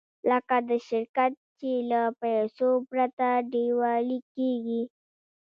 لکه د شرکت چې له پیسو پرته ډیوالي کېږي.